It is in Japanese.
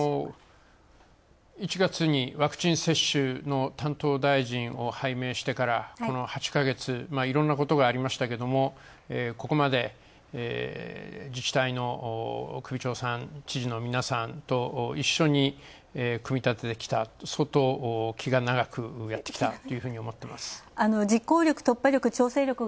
１月にワクチン接種の担当大臣を拝命してから、この８か月いろんなことがありましたけども、ここまで自治体の首長さんとか知事の皆さんと一緒に盛り立ててきた、相当時間をかけてやってきたと思います。